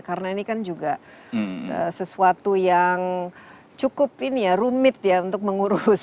karena ini kan juga sesuatu yang cukup ini ya rumit ya untuk mengurus